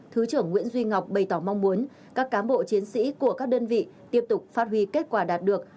thứ trưởng nguyễn duy ngọc bày tỏ mong muốn các cám bộ chiến sĩ của các đơn vị tiếp tục phát huy kết quả đạt được